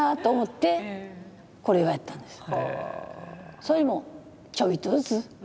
それもちょびっとずつ。